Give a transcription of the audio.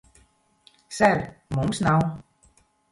Ser, mums nav...